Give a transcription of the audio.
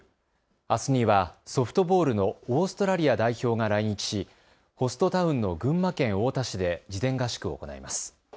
あすにはソフトボールのオーストラリア代表が来日しホストタウンの群馬県太田市で事前合宿を行います。